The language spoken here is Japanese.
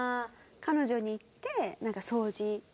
彼女に言って掃除。